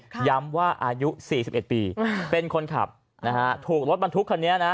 ย้ำว่าอายุสี่สิบเอ็ดปีเป็นคนขับนะฮะถูกรถบรรทุกคันนี้นะ